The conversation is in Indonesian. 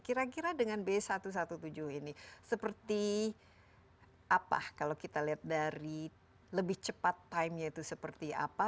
kira kira dengan b satu ratus tujuh belas ini seperti apa kalau kita lihat dari lebih cepat timenya itu seperti apa